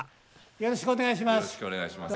よろしくお願いします。